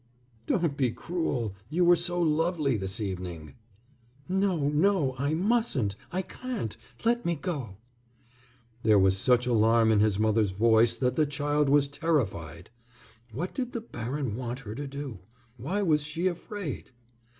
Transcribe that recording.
"Don't be cruel. You were so lovely this evening." "No, no, I mustn't. I can't. Let me go!" There was such alarm in his mother's voice that the child was terrified. What did the baron want her to do? Why was she afraid?